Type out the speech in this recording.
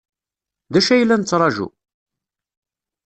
D acu ay la nettṛaju?